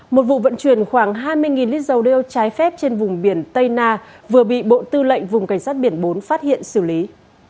một vụ vận chuyển khoảng hai mươi lít dầu đeo trái phép trên vùng biển tây na vừa bị bộ tư lệnh vùng cảnh sát biển bốn phát hiện xử lý